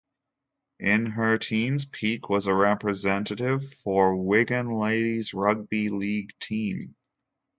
In her teens Peake was a representative for Wigan Ladies rugby league team.